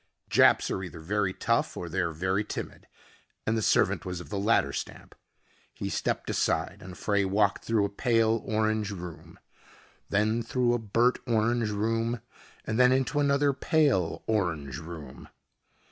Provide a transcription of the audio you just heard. Japs are either very tough or they are very timid, and the servant was of the latter stamp. He stepped aside and Frey walked through a pale orange room, then through a burnt orange room and then into another pale orange room.